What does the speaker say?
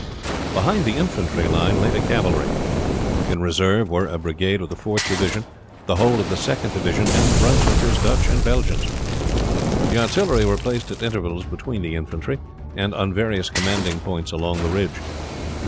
Behind the infantry line lay the cavalry. In reserve were a brigade of the fourth division, the whole of the second division, and the Brunswickers, Dutch, and Belgians. The artillery were placed at intervals between the infantry, and on various commanding points along the ridge.